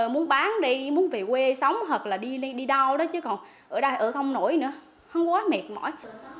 muốn bán đi muốn về quê sống hoặc là đi đâu đó chứ còn ở đây ở không nổi nữa không quá mệt mỏi